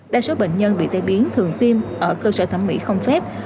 đa số bệnh nhân bị tai biến thường tiêm ở cơ sở thẩm mỹ không phép